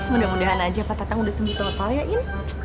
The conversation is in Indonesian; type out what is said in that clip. mudah mudahan aja pak tatang udah sembuh total ya iin